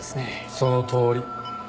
そのとおり。